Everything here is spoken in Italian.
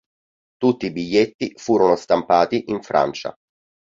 Tutti i biglietti furono stampati in Francia.